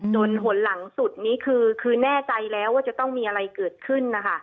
หนหลังสุดนี้คือแน่ใจแล้วว่าจะต้องมีอะไรเกิดขึ้นนะคะ